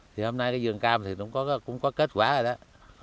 thì hôm nay cái dường cam thì cũng có kết quả rồi đó